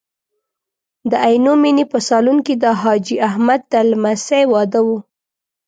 د عینومېنې په سالون کې د حاجي احمد د لمسۍ واده و.